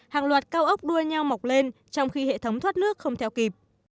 hàng loạt cao ốc đua nhau mọc lên trong khi hệ thống thoát nước không theo kịp